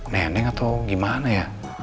neneng atau gimana ya